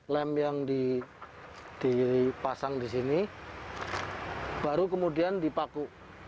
lem yang dipasang di sini baru kemudian dipaku